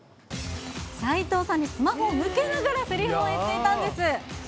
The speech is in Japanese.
斎藤さんにスマホを向けながらせりふを言っていたんです。